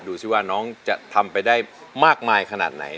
ดูสิว่าน้องจะทำไปได้มากมายขนาดไหน